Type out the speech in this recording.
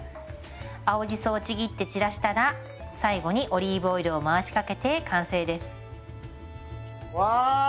青じそをちぎって散らしたら最後にオリーブオイルを回しかけて完成です。わい！